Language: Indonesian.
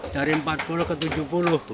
dari rp empat puluh ke rp tujuh puluh